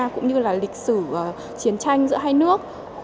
cũng như là lịch sử chiến tranh giữa hai nước